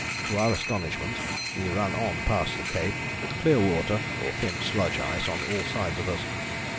To our astonishment we ran on past the Cape with clear water or thin sludge ice on all sides of us.